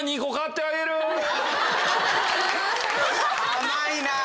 甘いなぁ。